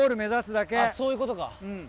そういうことか。